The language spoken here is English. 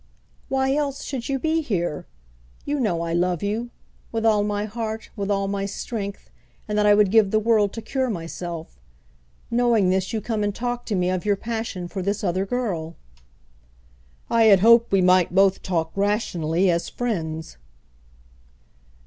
"Why else should you be here? You know I love you, with all my heart, with all my strength, and that I would give the world to cure myself. Knowing this, you come and talk to me of your passion for this other girl." "I had hoped we might both talk rationally as friends."